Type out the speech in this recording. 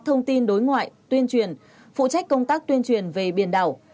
thông tin đối ngoại tuyên truyền phụ trách công tác tuyên truyền về biển đảo